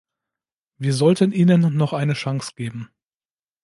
Wir sollten ihnen noch eine Chance geben.